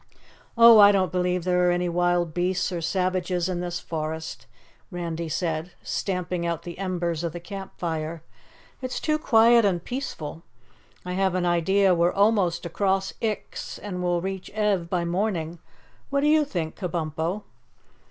"Oh, I don't believe there are any wild beasts or savages in this forest," Randy said, stamping out the embers of the camp fire. "It's too quiet and peaceful. I have an idea we're almost across Ix and will reach Ev by morning. What do you think, Kabumpo?"